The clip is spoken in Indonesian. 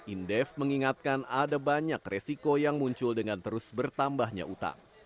indef mengingatkan ada banyak resiko yang muncul dengan terus bertambahnya utang